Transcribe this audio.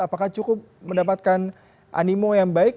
apakah cukup mendapatkan animo yang baik